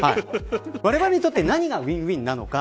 われわれにとって何がウィンウィンなのか。